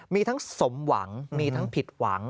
มีทั้งสมหวังมีทั้งผิดหวัง